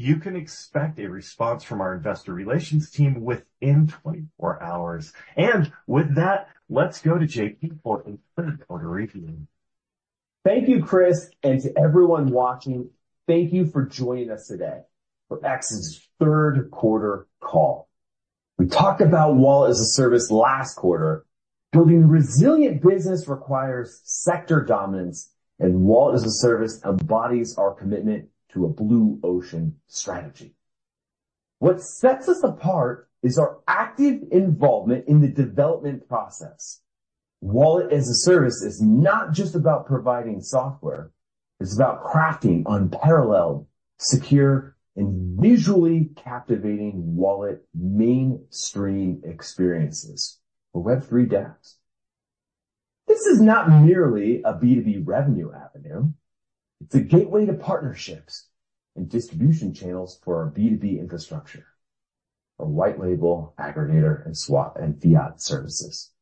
You can expect a response from our investor relations team within 24 hours. With that, let's go to JP for a third quarter review. Thank you, Chris, and to everyone watching, thank you for joining us today for Exodus' third quarter call. We talked about Wallet as a Service last quarter. Building resilient business requires sector dominance, and Wallet as a Service embodies our commitment to a blue ocean strategy. What sets us apart is our active involvement in the development process. Wallet as a Service is not just about providing software, it's about crafting unparalleled, secure, and visually captivating wallet mainstream experiences for Web3 DApps. This is not merely a B2B revenue avenue, it's a gateway to partnerships and distribution channels for our B2B infrastructure, our white label, aggregator, and swap, and fiat services.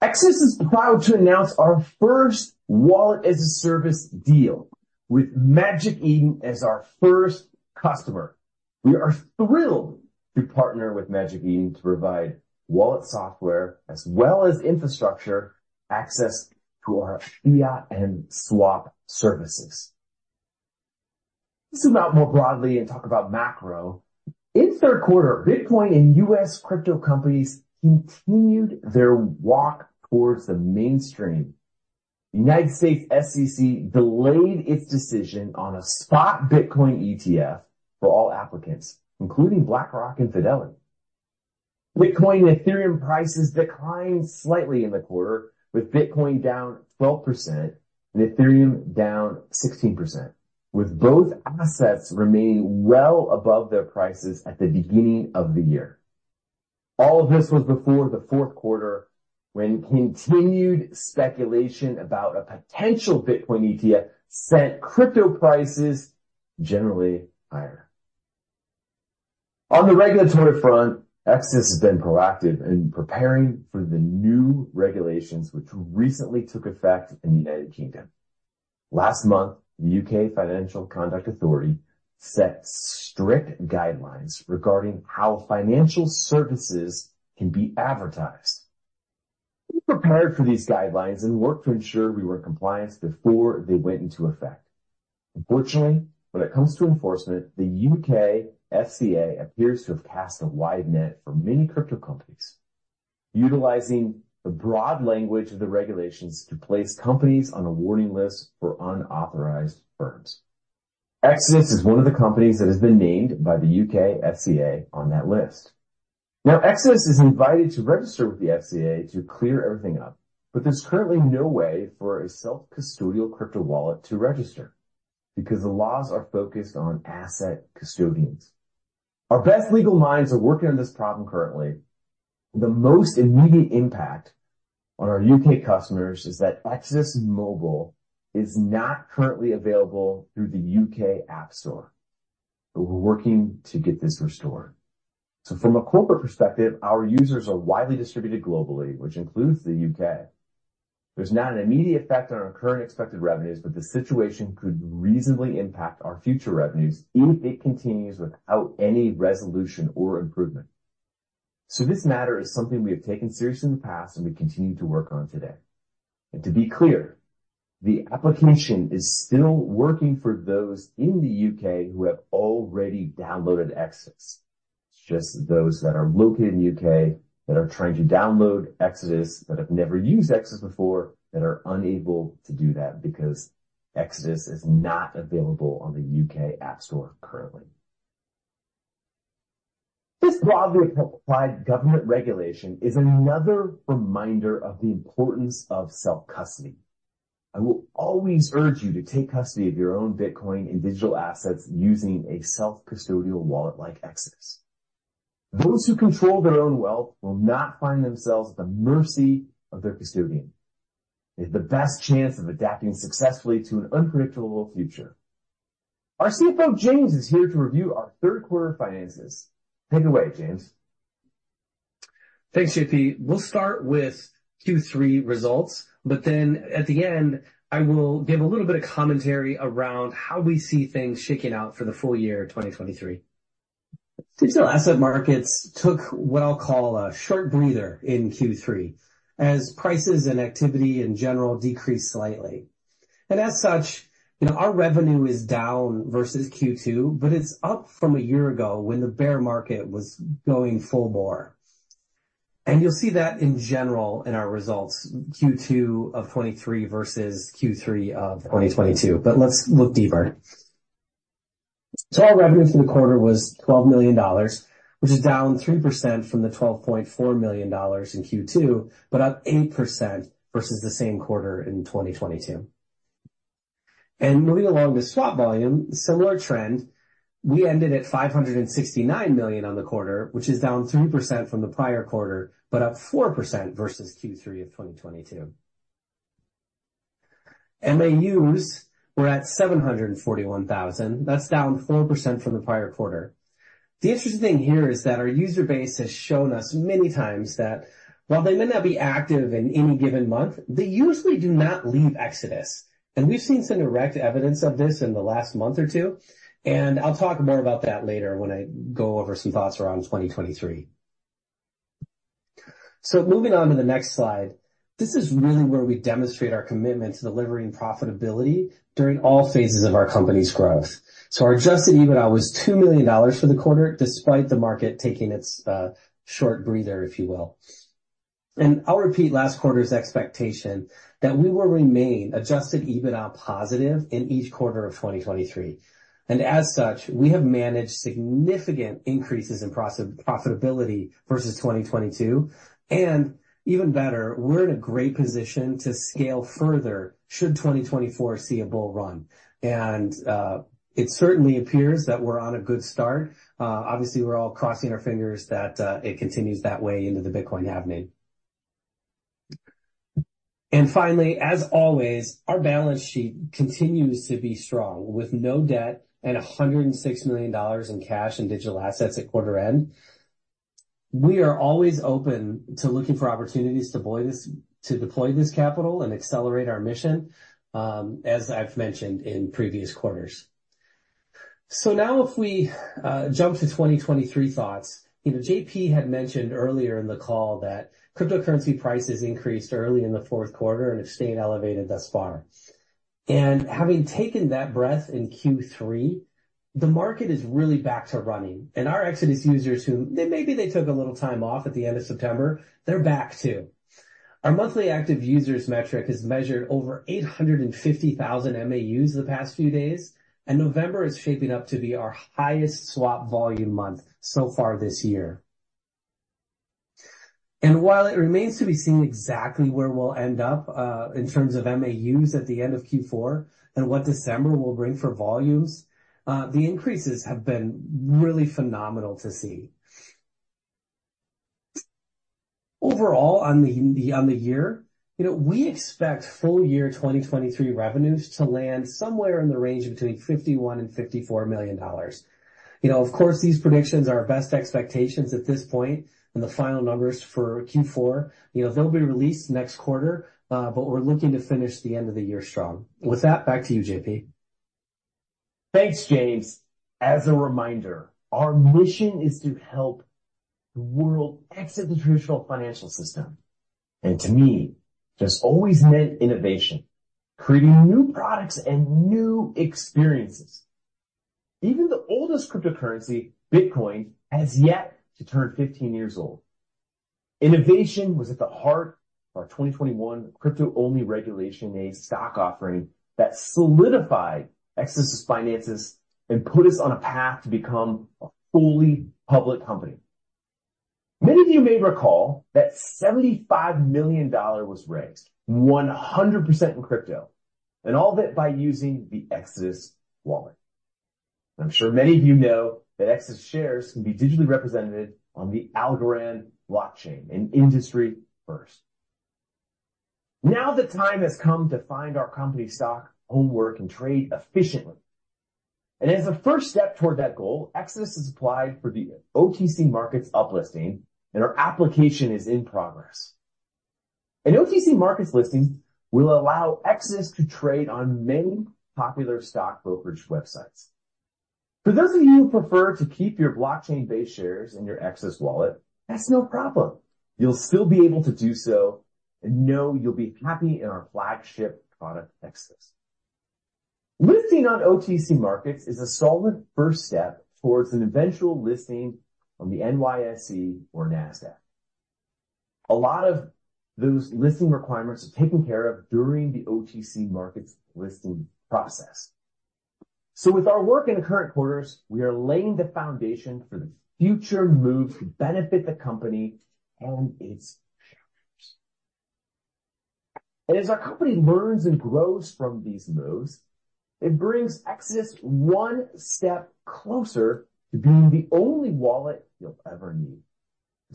Exodus is proud to announce our first Wallet as a Service deal, with Magic Eden as our first customer. We are thrilled to partner with Magic Eden to provide wallet software as well as infrastructure access to our fiat and swap services. Let's zoom out more broadly and talk about macro. In third quarter, Bitcoin and U.S. crypto companies continued their walk towards the mainstream. The U.S. SEC delayed its decision on a spot Bitcoin ETF for all applicants, including BlackRock and Fidelity. Bitcoin and Ethereum prices declined slightly in the quarter, with Bitcoin down 12% and Ethereum down 16%, with both assets remaining well above their prices at the beginning of the year. All of this was before the fourth quarter, when continued speculation about a potential Bitcoin ETF sent crypto prices generally higher. On the regulatory front, Exodus has been proactive in preparing for the new regulations, which recently took effect in the United Kingdom. Last month, the U.K. Financial Conduct Authority set strict guidelines regarding how financial services can be advertised. We prepared for these guidelines and worked to ensure we were in compliance before they went into effect. Unfortunately, when it comes to enforcement, the U.K. FCA appears to have cast a wide net for many crypto companies, utilizing the broad language of the regulations to place companies on a warning list for unauthorized firms. Exodus is one of the companies that has been named by the U.K. FCA on that list. Now, Exodus is invited to register with the FCA to clear everything up, but there's currently no way for a self-custodial crypto wallet to register, because the laws are focused on asset custodians. Our best legal minds are working on this problem currently. The most immediate impact on our U.K. customers is that Exodus Mobile is not currently available through the U.K. App Store, but we're working to get this restored. From a corporate perspective, our users are widely distributed globally, which includes the U.K. There's not an immediate effect on our current expected revenues, but the situation could reasonably impact our future revenues if it continues without any resolution or improvement. This matter is something we have taken seriously in the past, and we continue to work on today. To be clear, the application is still working for those in the U.K. who have already downloaded Exodus. It's just those that are located in the U.K. that are trying to download Exodus, that have never used Exodus before, that are unable to do that because Exodus is not available on the U.K. App Store currently. This broadly applied government regulation is another reminder of the importance of self-custody. I will always urge you to take custody of your own Bitcoin and digital assets using a self-custodial wallet like Exodus. Those who control their own wealth will not find themselves at the mercy of their custodian, and have the best chance of adapting successfully to an unpredictable future. Our CFO, James, is here to review our third quarter finances. Take it away, James. Thanks, JP. We'll start with Q3 results, but then at the end, I will give a little bit of commentary around how we see things shaking out for the full year of 2023. Digital asset markets took what I'll call a short breather in Q3, as prices and activity in general decreased slightly. And as such, you know, our revenue is down versus Q2, but it's up from a year ago when the bear market was going full bore. And you'll see that in general in our results, Q2 of 2023 versus Q3 of 2022. But let's look deeper. Total revenue for the quarter was $12 million, which is down 3% from the $12.4 million in Q2, but up 8% versus the same quarter in 2022. And moving along to swap volume, similar trend. We ended at $569 million on the quarter, which is down 3% from the prior quarter, but up 4% versus Q3 of 2022. MAUs were at 741,000. That's down 4% from the prior quarter. The interesting thing here is that our user base has shown us many times that while they may not be active in any given month, they usually do not leave Exodus, and we've seen some direct evidence of this in the last month or two, and I'll talk more about that later when I go over some thoughts around 2023. So moving on to the next slide, this is really where we demonstrate our commitment to delivering profitability during all phases of our company's growth. So our Adjusted EBITDA was $2 million for the quarter, despite the market taking its short breather, if you will. And I'll repeat last quarter's expectation that we will remain Adjusted EBITDA positive in each quarter of 2023. And as such, we have managed significant increases in profitability versus 2022. And even better, we're in a great position to scale further, should 2024 see a bull run. And it certainly appears that we're on a good start. Obviously, we're all crossing our fingers that it continues that way into the Bitcoin halving. And finally, as always, our balance sheet continues to be strong, with no debt and $106 million in cash and digital assets at quarter end. We are always open to looking for opportunities to deploy this, to deploy this capital and accelerate our mission, as I've mentioned in previous quarters. So now if we jump to 2023 thoughts, you know, JP had mentioned earlier in the call that cryptocurrency prices increased early in the fourth quarter, and have stayed elevated thus far. And having taken that breath in Q3, the market is really back to running, and our Exodus users, who, maybe they took a little time off at the end of September, they're back, too. Our monthly active users metric has measured over 850,000 MAUs the past few days, and November is shaping up to be our highest swap volume month so far this year. While it remains to be seen exactly where we'll end up in terms of MAUs at the end of Q4 and what December will bring for volumes, the increases have been really phenomenal to see. Overall, on the year, you know, we expect full year 2023 revenues to land somewhere in the range of between $51 million and $54 million. You know, of course, these predictions are our best expectations at this point, and the final numbers for Q4, you know, they'll be released next quarter, but we're looking to finish the end of the year strong. With that, back to you, JP. Thanks, James. As a reminder, our mission is to help the world exit the traditional financial system, and to me, that's always meant innovation, creating new products and new experiences. Even the oldest cryptocurrency, Bitcoin, has yet to turn 15 years old. Innovation was at the heart of our 2021 crypto-only Regulation A stock offering that solidified Exodus's finances and put us on a path to become a fully public company. Many of you may recall that $75 million was raised, 100% in crypto, and all of it by using the Exodus wallet. I'm sure many of you know that Exodus shares can be digitally represented on the Algorand blockchain, an industry first. Now, the time has come to find our company stock, homework, and trade efficiently. And as a first step toward that goal, Exodus has applied for the OTC Markets uplisting, and our application is in progress. An OTC Markets listing will allow Exodus to trade on many popular stock brokerage websites. For those of you who prefer to keep your blockchain-based shares in your Exodus wallet, that's no problem. You'll still be able to do so and know you'll be happy in our flagship product, Exodus. Listing on OTC Markets is a solid first step towards an eventual listing on the NYSE or NASDAQ. A lot of those listing requirements are taken care of during the OTC Markets listing process. With our work in the current quarters, we are laying the foundation for the future moves to benefit the company and its shareholders. As our company learns and grows from these moves, it brings Exodus one step closer to being the only wallet you'll ever need.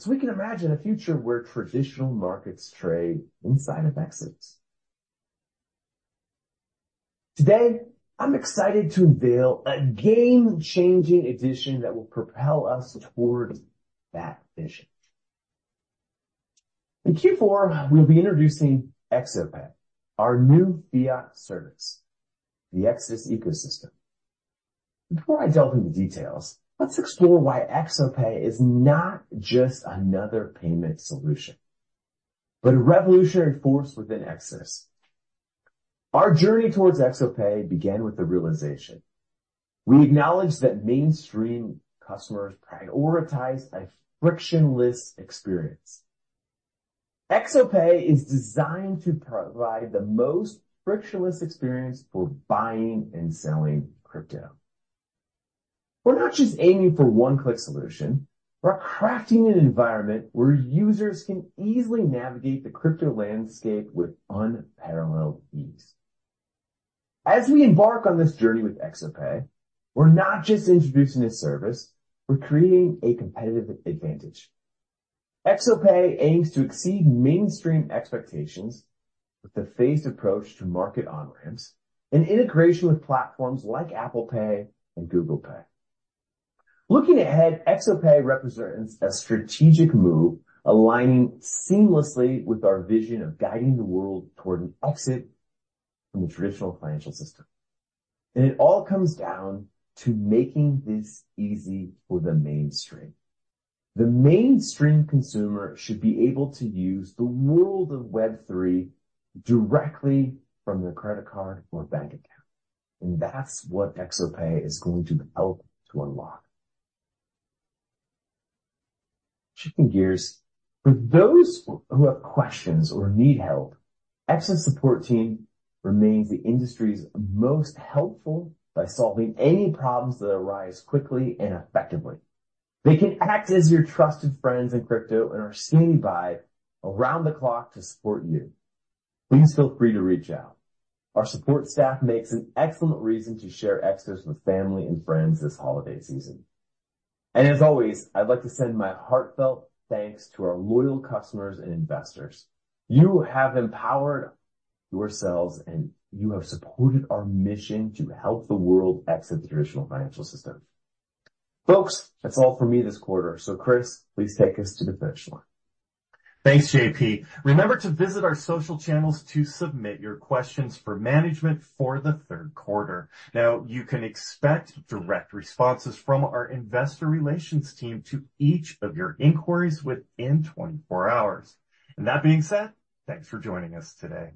We can imagine a future where traditional markets trade inside of Exodus. Today, I'm excited to unveil a game-changing addition that will propel us towards that vision. In Q4, we'll be introducing ExoPay, our new fiat service, the Exodus ecosystem. Before I delve into details, let's explore why ExoPay is not just another payment solution, but a revolutionary force within Exodus. Our journey towards ExoPay began with the realization. We acknowledge that mainstream customers prioritize a frictionless experience. ExoPay is designed to provide the most frictionless experience for buying and selling crypto. We're not just aiming for a one-click solution, we're crafting an environment where users can easily navigate the crypto landscape with unparalleled ease. As we embark on this journey with ExoPay, we're not just introducing a service, we're creating a competitive advantage. ExoPay aims to exceed mainstream expectations with a phased approach to market on-ramps and integration with platforms like Apple Pay and Google Pay. Looking ahead, ExoPay represents a strategic move, aligning seamlessly with our vision of guiding the world toward an exit from the traditional financial system. And it all comes down to making this easy for the mainstream. The mainstream consumer should be able to use the world of Web3 directly from their credit card or bank account, and that's what ExoPay is going to help to unlock. Shifting gears, for those who have questions or need help, Exodus support team remains the industry's most helpful by solving any problems that arise quickly and effectively. They can act as your trusted friends in crypto and are standing by around the clock to support you. Please feel free to reach out. Our support staff makes an excellent reason to share Exodus with family and friends this holiday season. As always, I'd like to send my heartfelt thanks to our loyal customers and investors. You have empowered yourselves, and you have supported our mission to help the world exit the traditional financial system. Folks, that's all for me this quarter. So, Chris, please take us to the finish line. Thanks, JP. Remember to visit our social channels to submit your questions for management for the third quarter. Now, you can expect direct responses from our investor relations team to each of your inquiries within 24 hours. That being said, thanks for joining us today.